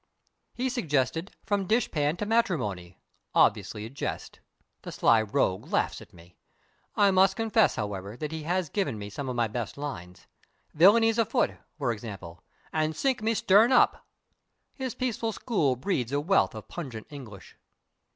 He suggested From Dish Pan to Matrimony obviously a jest. The sly rogue laughs at me. I must confess, however, that he has given me some of my best lines. "Villainy 's afoot!" for example, and "Sink me stern up!" His peaceful school breeds a wealth of pungent English.